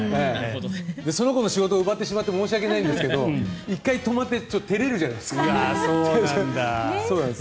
その子の仕事を奪ってしまって申し訳ないんですけど１回止まって照れるじゃないですか。